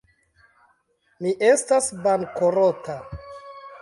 Mi estas bankrota.